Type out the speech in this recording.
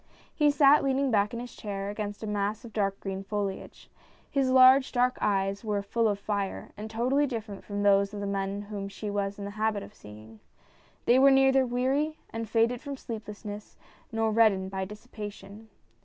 He sat leaning back in his chair against a mass of dark green foliage. His large dark eyes were full of fire, and totally different from those of the men whom she was in the habit of seeing. They were neither weary and faded from sleeplessness, nor red dened by dissipation.